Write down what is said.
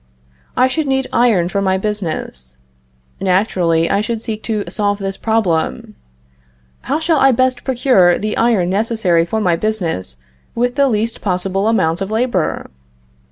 I should need iron for my business. Naturally I should seek to solve this problem: "How shall I best procure the iron necessary for my business with the least possible amount of labor?"